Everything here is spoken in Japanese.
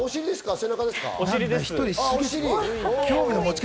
背中ですか？